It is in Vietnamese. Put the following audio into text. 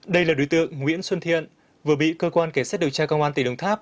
đây là đối tượng nguyễn xuân thiện vừa bị cơ quan cảnh sát điều tra công an tỉnh đồng tháp